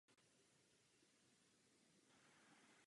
Byl by to druhý kostel určený Rumunům žijícím Ruska.